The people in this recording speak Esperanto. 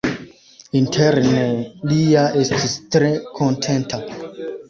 Interne, li ja estis tre kontenta.